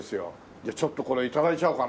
じゃあちょっとこれ頂いちゃおうかな。